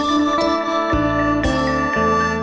มันจะอยู่มุมใบเวลาทรงทั้งหมด